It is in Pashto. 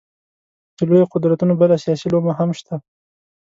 د لویو قدرتونو بله سیاسي لومه هم شته.